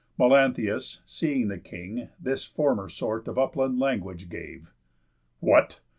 Melanthius, seeing the king, this former sort Of upland language gave: "What?